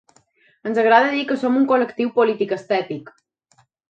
Ens agrada dir que som un col·lectiu polític-estètic.